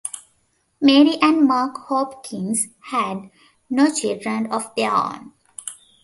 Mary and Mark Hopkins had no children of their own.